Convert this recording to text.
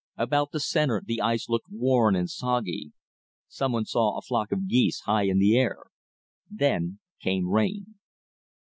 About the center the ice looked worn and soggy. Someone saw a flock of geese high in the air. Then came rain.